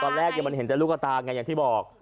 ตอนแรกมันเห็นแต่ลูกตาไงอย่างที่บอก